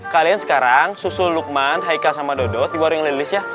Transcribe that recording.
kalian sekarang susul lukman haikal sama dodot di warung yang lilis ya